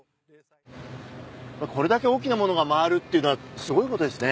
これだけ大きなものが回るっていうのはすごい事ですね。